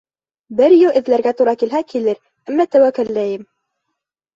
Бер йыл эҙләргә тура килһә килер, әммә тәүәккәлләйем!